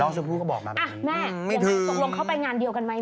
แล้วชมพู่ก็บอกมาแบบนี้ไม่ถือแม่ตกลงเข้าไปงานเดียวกันไหม